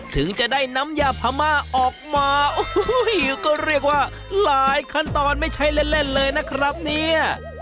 ถึงจะได้น้ำยาพม่าออกมาโอ้โหก็เรียกว่าหลายขั้นตอนไม่ใช่เล่นเล่นเลยนะครับเนี่ย